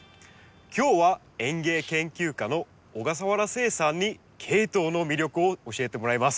今日は園芸研究家の小笠原誓さんにケイトウの魅力を教えてもらいます。